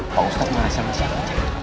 pak ustadz ngerasain siapa cek